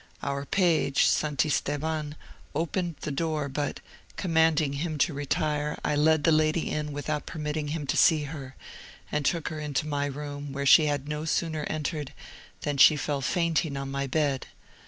Our page, Santisteban, opened the door, but, commanding him to retire, I led the lady in without permitting him to see her, and took her into my room, where she had no sooner entered than she fell fainting on my bed.